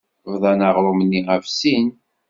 Bḍan aɣrum-nni ɣef sin.